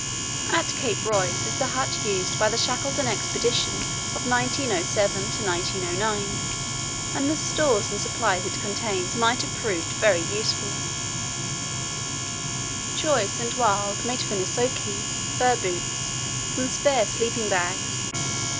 At Cape Royds is the hut used by the Shackleton Expedition of 1907–1909, and the stores and supplies it contains might have proved very useful. Joyce and Wild made finneskoe (fur boots) from spare sleeping bags.